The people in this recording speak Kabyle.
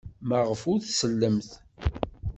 Maɣef ur tsellemt?